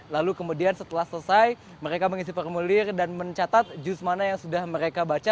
lalu kemudian setelah selesai mereka mengisi formulir dan mencatat jus mana yang sudah mereka baca